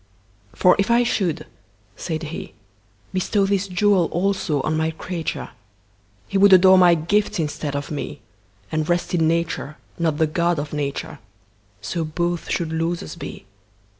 For if I should (said He)Bestow this jewel also on My creature, He would adore My gifts instead of Me, And rest in Nature, not the God of Nature:So both should losers be.